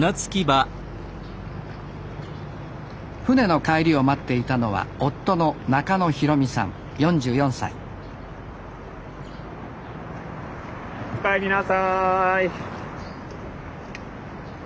舟の帰りを待っていたのは夫のおかえりなさい。